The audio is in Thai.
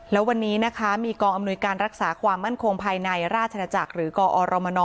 แล้ววันนี้นะคะมีกองอำนวยการรักษาความมั่นคงภายในราชนาจักรหรือกอรมน